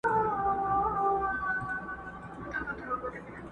o له عالمه ووزه، له نرخه ئې مه وزه.